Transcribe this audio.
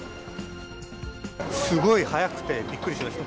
すごい早くてびっくりしました。